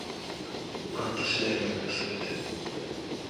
あなた次第なのよ、全て